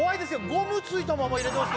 ゴムついたまま入ってます。